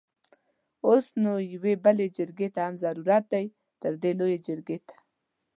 اوس نو يوې بلې جرګې ته هم ضرورت دی؛ تردې لويې جرګې ته!